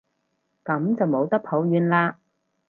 噉就冇得抱怨喇